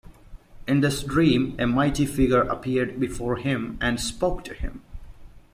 In this dream, a mighty figure appeared before him, and spoke to him.